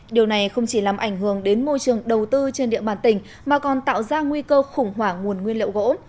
điều này không chỉ làm ảnh hưởng đến môi trường đầu tư trên địa bàn tỉnh mà còn tạo ra nguy cơ khủng hoảng nguồn nguyên liệu gỗ